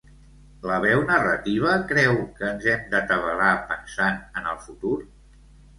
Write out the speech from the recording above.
La veu narrativa creu que ens hem d'atabalar pensant en el futur?